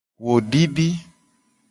Wo didi.